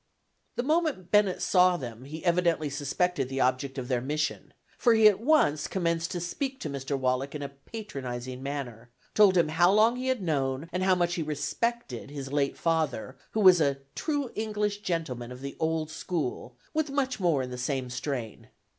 The moment Bennett saw them, he evidently suspected the object of their mission, for he at once commenced to speak to Mr. Wallack in a patronizing manner; told him how long he had known, and how much he respected his late father, who was "a true English gentleman of the old school," with much more in the same strain.